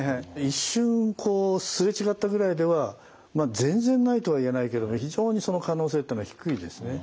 一瞬すれ違ったぐらいでは全然ないとは言えないけども非常にその可能性っていうのは低いですね。